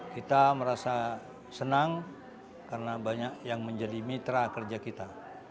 kita merasa senang karena banyak yang menjadi mitra kerja kita